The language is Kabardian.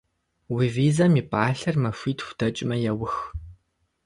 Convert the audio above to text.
Уи визэм и пӏалъэр махуитху дэкӏмэ еух.